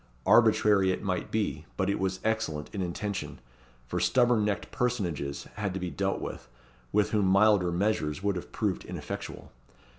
Arbitrary it might be, but it was excellent in intention; for stubborn necked personages had to be dealt with, with whom milder measures would have proved ineffectual.